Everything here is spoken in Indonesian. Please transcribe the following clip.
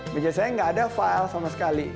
meja saya nggak ada file sama sekali